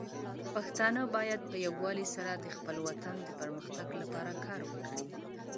پښتانه بايد په يووالي سره د خپل وطن د پرمختګ لپاره کار وکړي.